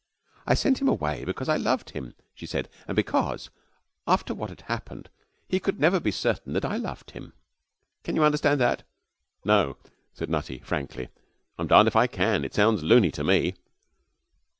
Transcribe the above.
'I sent him away because I loved him,' she said, 'and because, after what had happened, he could never be certain that I loved him. Can you understand that?' 'No,' said Nutty, frankly, 'I'm darned if I can! It sounds loony to me.'